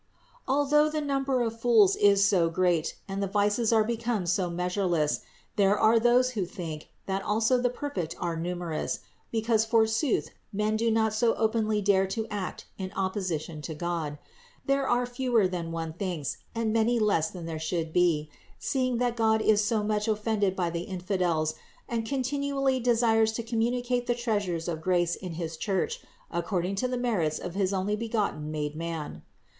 Although the number of fools is so great and the vices are become so measureless, there are those who think, that also the perfect are numerous, because, forsooth, men do not so openly dare to act in opposition THE INCARNATION 419 to God : there are fewer than one thinks, and many less than there should be, seeing that God is so much offended by the infidels and continually desires to communicate the treasures of grace in his Church according to the merits of his Onlybegotten made man.